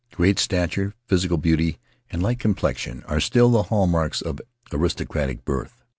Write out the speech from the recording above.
Great stature, physical beauty, and light complexion are still the hall marks of aristocratic birth.